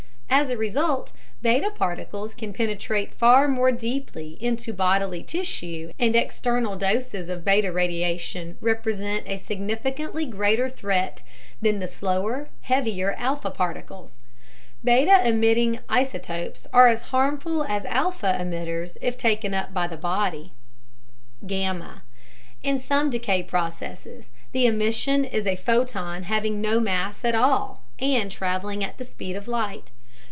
As a result, beta particles can penetrate far more deeply into bodily tissue and external doses of beta radiation represent a significantly greater threat than the slower, heavier alpha particles. Beta emitting isotopes are as harmful as alpha emitters if taken up by the body. Gamma In some decay processes, the emission is a photon having no mass at all and traveling at the speed of light.